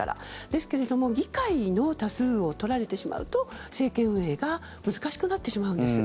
ですけれども議会の多数を取られてしまうと政権運営が難しくなってしまうんです。